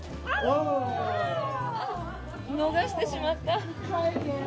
逃してしまった。